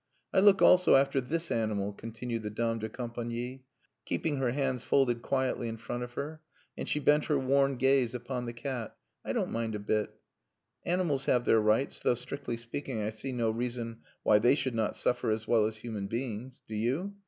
"I look also after this animal," continued the dame de compagnie, keeping her hands folded quietly in front of her; and she bent her worn gaze upon the cat. "I don't mind a bit. Animals have their rights; though, strictly speaking, I see no reason why they should not suffer as well as human beings. Do you?